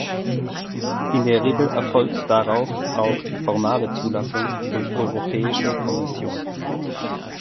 In der Regel erfolgt darauf auch die formale Zulassung durch Europäische Kommission.